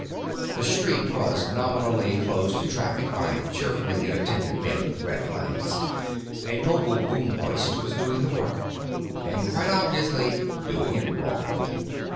The street was nominally closed to traffic by cheerfully inattentive men with red flags; a mobile boom hoist was doing the work, and quite obviously doing it wrong.